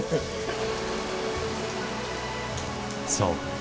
そう。